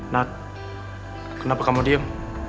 nat kenapa kamu diem